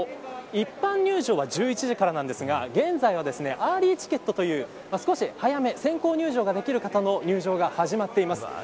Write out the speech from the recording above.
一般入場は１１時からなんですが現在はアーリーチケットという少し早め、先行入場ができる方の入場が始まっています。